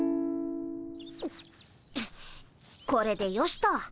これでよしと。